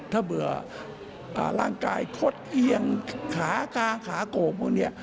ถ้าเบื่อร่างกายคดเอียงขากลางขาโก่งพวกนี้